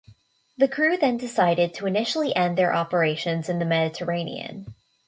The crew then decided to initially end their operations in the Mediterranean.